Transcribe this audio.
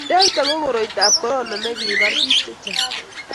delta ko koroitab korona ne kibar biik che chang'